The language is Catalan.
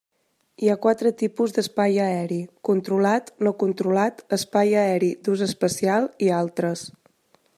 Hi ha quatre tipus d'espai aeri: controlat, no controlat, espai aeri d'ús especial, i altres.